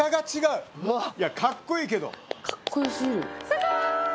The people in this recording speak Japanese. すごい！